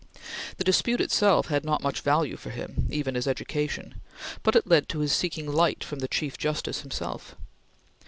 The dispute itself had not much value for him, even as education, but it led to his seeking light from the Chief Justice himself.